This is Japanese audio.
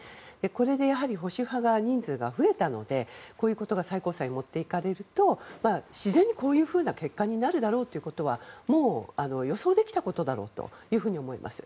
これで保守派の人数が増えたのでこういうことが最高裁に持っていかれると自然に、こういう結果になるだろうということはもう、予想できたことだろうと思います。